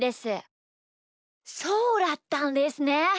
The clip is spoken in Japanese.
そうだったんですね。